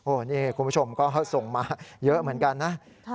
นี่คุณผู้ชมก็ส่งมาเยอะเหมือนกันนะ